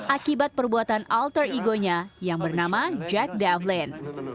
akibat perbuatan alter egonya yang bernama jack davelyn